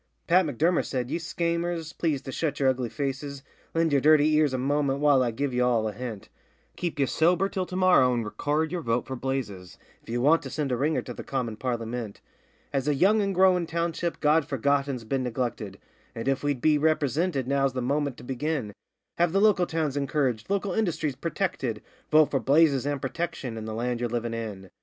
Pat M'Durmer said, 'Ye schaymers, please to shut yer ugly faces, Lend yer dirty ears a momint while I give ye all a hint: Keep ye sober till to morrow and record yer vote for Blazes If ye want to send a ringer to the commin Parlymint. 'As a young and growin' township God Forgotten's been neglected, And, if we'd be ripresinted, now's the moment to begin Have the local towns encouraged, local industries purtected: Vote for Blazes, and Protection, and the land ye're livin' in.